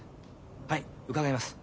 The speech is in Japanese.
はい伺います。